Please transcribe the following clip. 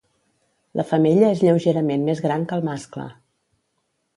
La femella és lleugerament més gran que el mascle.